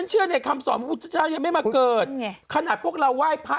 เราฟังอยู่แล้วไม่ยังลงเลยอะ